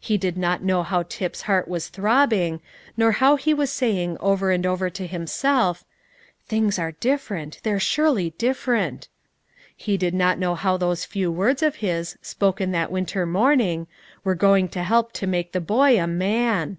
He did not know how Tip's heart was throbbing, nor how he was saying over and over to himself, "Things are different; they're surely different." He did not know how those few words of his, spoken that winter morning, were going to help to make the boy a man.